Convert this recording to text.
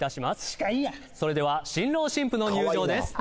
司会やそれでは新郎新婦の入場です